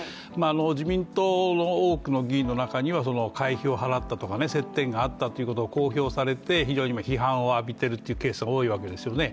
自民党の多くの議員の中には会費を払ったとか接点があったことを公表されて非常に批判を浴びているというケースが多いわけですよね。